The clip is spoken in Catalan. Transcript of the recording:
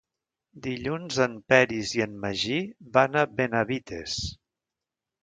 Dilluns en Peris i en Magí van a Benavites.